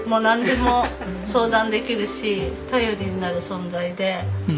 なんでも相談できるし頼りになる存在で。